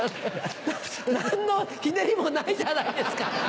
何のひねりもないじゃないですか！